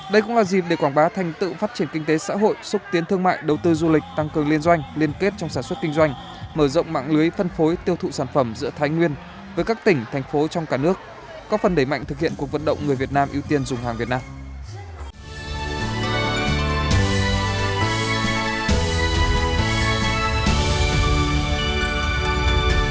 đây cũng là dịp để quảng bá thành tựu phát triển kinh tế xã hội xúc tiến thương mại đầu tư du lịch tăng cường liên doanh liên kết trong sản xuất kinh doanh mở rộng mạng lưới phân phối tiêu thụ sản phẩm giữa thái nguyên với các tỉnh thành phố trong cả nước có phần đẩy mạnh thực hiện cuộc vận động người việt nam ưu tiên dùng hàng việt nam